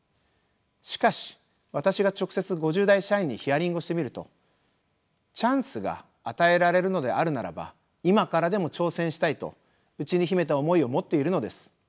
しかし私が直接５０代社員にヒアリングをしてみるとチャンスが与えられるのであるならば今からでも挑戦したいと内に秘めた思いを持っているのです。